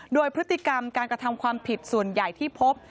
โดยพฤติกรรมการกระทำความผิดส่วนใหญ่ที่พบ